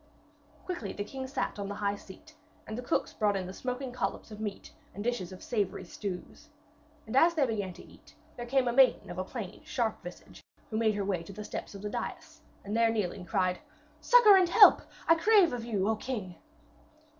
Quickly the king sat on the high seat, and the cooks brought in the smoking collops of meat and the dishes of savoury stews. And as they began to eat, there came a maiden of a plain sharp visage, who made her way to the step of the dais, and there kneeling, cried: 'Succour and help I crave of you, O king!'